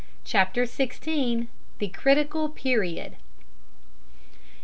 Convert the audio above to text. CHAPTER XVI. THE CRITICAL PERIOD.